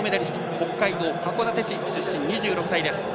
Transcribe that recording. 北海道函館市出身、２６歳です。